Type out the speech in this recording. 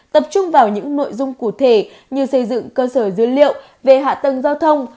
tập trung vào những nội dung cụ thể như xây dựng cơ sở dữ liệu về hạ tầng giao thông